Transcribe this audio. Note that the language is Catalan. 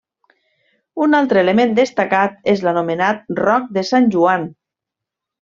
Un altre element destacat és l'anomenat Roc de Sant Joan.